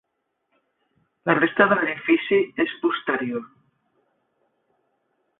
La resta de l’edifici és posterior.